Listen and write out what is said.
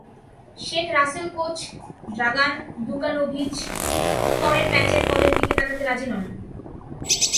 Sheikh Russel coach Dragan Dukanovic পরের ম্যাচের ফলের দিকে তাকাতে রাজি নন।